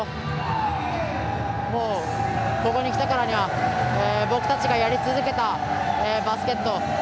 ここに来たからには僕たちがやり続けたバスケット